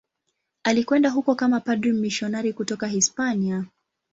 Alikwenda huko kama padri mmisionari kutoka Hispania.